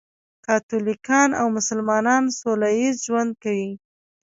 کاتولیکان او مسلمانان سولهییز ژوند کوي.